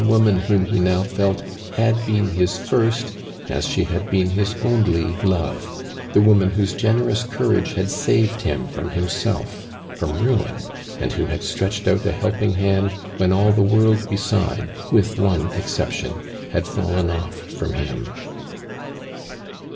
'*n whom he now felt had been his first as sije had been his only love, the woman whotse generous courage h.id saved him from . ARMAND DURAND. 7') \ liimBelf— fwrn ruin — nnd who hotl stretched out a helping hand when all the world beside, with one exception, had fallen off from him.